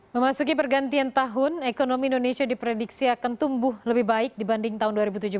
memasuki pergantian tahun ekonomi indonesia diprediksi akan tumbuh lebih baik dibanding tahun dua ribu tujuh belas